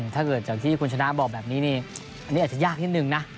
ถ้าเกิดจากที่คุณชนะบอกแบบนี้นี่อันนี้อาจจะยากนิดนึงนะ